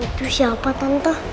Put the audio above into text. itu siapa tante